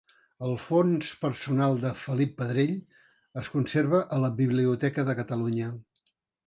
El fons personal de Felip Pedrell es conserva a la Biblioteca de Catalunya.